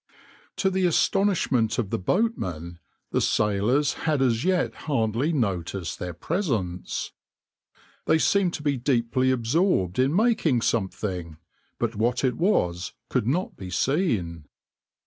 \par To the astonishment of the boatmen the sailors had as yet hardly noticed their presence. They seemed to be deeply absorbed in making something, but what it was could not be seen.